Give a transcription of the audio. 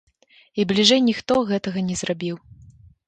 І бліжэй ніхто гэтага не зрабіў!